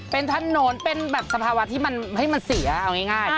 เป็นถนนเป็นสภาวะที่มันเสียเอาง่าย